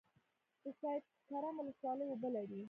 د سید کرم ولسوالۍ اوبه لري